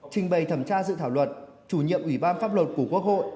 trình bày thẩm tra dự thảo luật chủ nhiệm ủy ban pháp luật của quốc hội